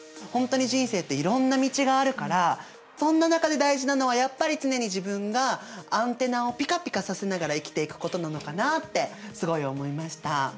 本当に人生っていろんな道があるからそんな中で大事なのはやっぱり常に自分がアンテナをピカピカさせながら生きていくことなのかなってすごい思いました。